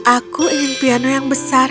aku ingin piano yang besar